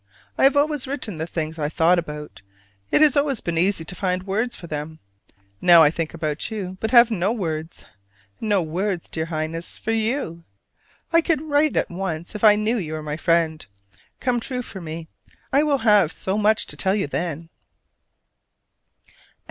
I have always written the things I thought about: it has been easy to find words for them. Now I think about you, but have no words: no words, dear Highness, for you! I could write at once if I knew you were my friend. Come true for me: I will have so much to tell you then!